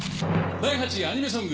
第８位、アニメソング。